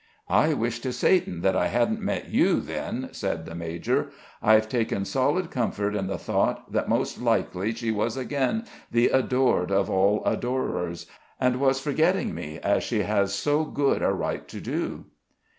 "I wish to Satan that I hadn't met you, then," said the major. "I've taken solid comfort in the thought that most likely she was again the adored of all adorers, and was forgetting me, as she has so good a right to do."